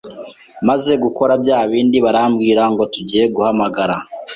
maze gukora bya bindi barambwira ngo tugiye guhamagara